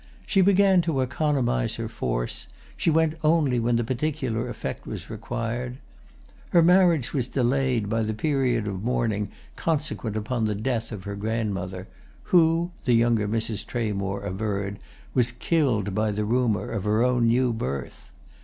She began to economise her force, she went only when the particular effect was required. Her marriage was delayed by the period of mourning consequent upon the death of her grandmother, who, the younger Mrs. Tramore averred, was killed by the rumour of her own new birth.